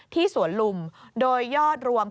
ที่สวนลุมโดยยอดรวม